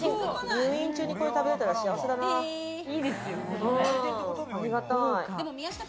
入院中にこれ食べられたら幸せだな。